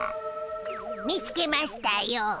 見つけましたよ。